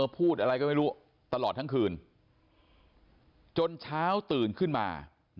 พูดอะไรก็ไม่รู้ตลอดทั้งคืนจนเช้าตื่นขึ้นมา